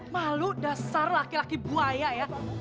ma lu dasar laki laki buaya ya